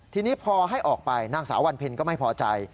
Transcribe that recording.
ทีนี้พอให้ออกไปนางสาววันเพ็ญก็ไม่พอใจ